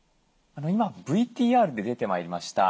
今ＶＴＲで出てまいりました